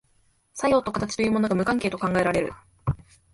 作用と形というものが無関係と考えられる。